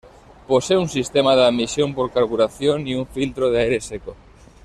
Posee un sistema de admisión por carburación y un filtro de aire seco.